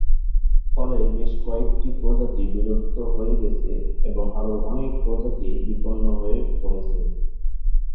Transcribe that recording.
ফলে বেশ কয়েকটি প্রজাতি বিলুপ্ত হয়ে গেছে এবং আরো অনেক প্রজাতি বিপন্ন হয়ে পড়েছে।